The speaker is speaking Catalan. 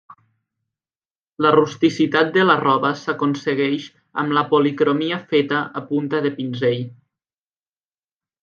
La rusticitat de la roba s'aconsegueix amb la policromia feta a punta de pinzell.